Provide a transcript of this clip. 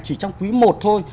chỉ trong quý một thôi